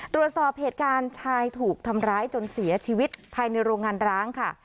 ตรวจสอบเหตุการณ์ชายถูกทำร้ายจนเสียชีวิตภายในโรงงานร้างค่ะ